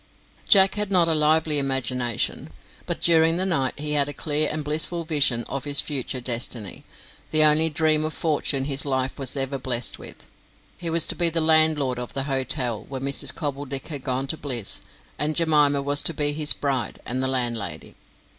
Jack had not a lively imagination; but during the night he had a clear and blissful vision of his future destiny, the only dream of fortune his life was ever blessed with. He was to be the landlord of the hotel, when Mrs. Cobbledick had gone to bliss, and Jemima was to be his bride, and the landlady.